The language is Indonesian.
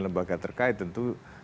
lembaga terkait tentu